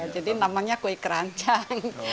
jadi namanya kue keranjang